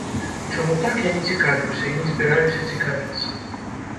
Чаму так, я не цікавіўся і не збіраюся цікавіцца.